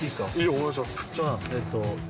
お願いします。